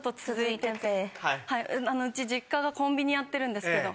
うち実家がコンビニやってるんですけど。